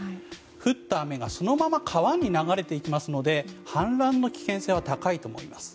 降った雨がそのまま川に流れていきますので氾濫の危険性は高いと思います。